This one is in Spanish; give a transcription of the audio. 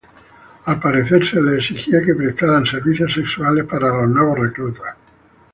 Al parecer, se les exigía que prestaran servicios sexuales para los nuevos reclutas.